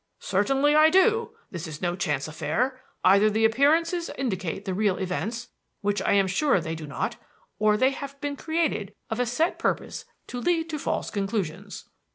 "Certainly I do! This is no chance affair. Either the appearances indicate the real events which I am sure they do not or they have been created of a set purpose to lead to false conclusions.